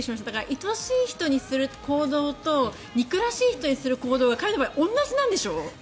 いとしい人にする行動と憎らしい人にする行動が亀の場合、同じなんでしょ？